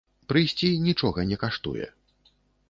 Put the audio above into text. Прыйсці нічога не каштуе.